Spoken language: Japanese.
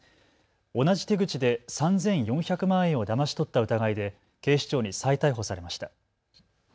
同じ手口で３４００万円をだまし取った疑いで警視庁に再逮捕されました。